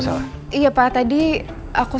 selalu patah tidur makan